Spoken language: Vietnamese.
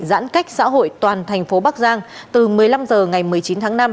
giãn cách xã hội toàn thành phố bắc giang từ một mươi năm h ngày một mươi chín tháng năm